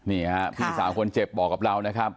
นี่ฮะพี่สาวคนเจ็บบอกกับเรานะครับ